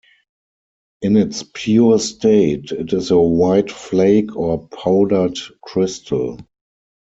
In its pure state it is a white flake or powdered crystal.